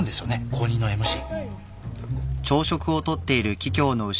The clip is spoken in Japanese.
後任のＭＣ。